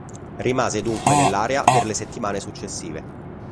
Rimase dunque nell'area per le settimane successive.